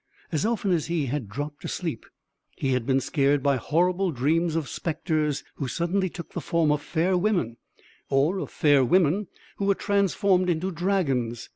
As often as he had dropped asleep, he had been scared by horrible dreams of spectres who suddenly took the form of fair women, or of fair women who were transformed into dragons.